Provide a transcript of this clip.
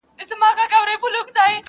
ډېر دي له لمني او ګرېوانه اور اخیستی دی-